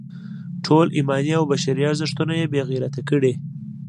ټول ایماني او بشري ارزښتونه یې بې غیرته کړي دي.